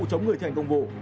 chống người thi hành công vụ